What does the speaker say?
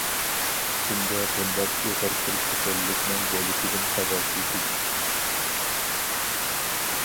ئىچىمدە بۇنداق ئېغىر بىر كېسەللىكنىڭ بولۇشىدىن خەۋەرسىز ئىدىم.